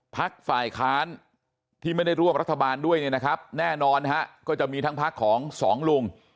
ภักดิ์ฝ่ายค้านที่ไม่ได้ร่วมรัฐบาลด้วยแน่นอนก็จะมีทั้งภักดิ์ของสองลุง